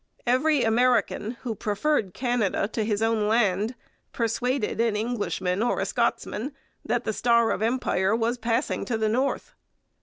Every American who preferred Canada to his own land persuaded an Englishman or a Scotsman that the star of empire was passing to the north.